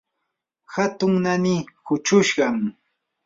hatun naani huchushqam.